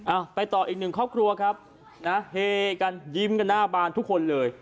เอาไปต่ออีกหนึ่งครอบครัวครับนะเฮกันยิ้มกันหน้าบานทุกคนเลย